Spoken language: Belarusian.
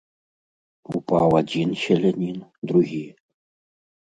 Упаў адзін селянін, другі.